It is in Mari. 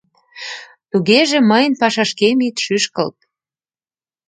Тугеже мыйын пашашкем ит шӱшкылт!